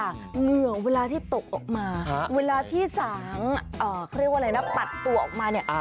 เหงื่อเวลาที่ตกออกมาเวลาที่สางปัดตัวออกมา